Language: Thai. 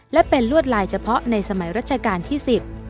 และเป็นลวดลายเฉพาะในสมัยรัชกาลที่๑๐